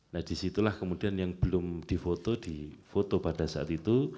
nah disitulah kemudian yang belum difoto di foto pada saat itu